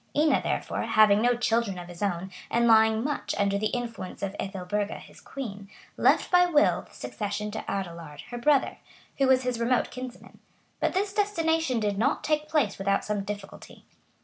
Ina, therefore, having no children of his own and lying much under the influence of Ethelburga, his queen, left by will the succession to Adelard, her brother, who was his remote kinsman; but this destination did not take place without some difficulty.